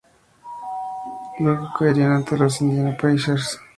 Luego caerían ante los Indiana Pacers.